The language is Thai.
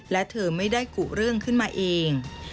และเธอไม่ได้กุเรื่องขึ้นมาเอง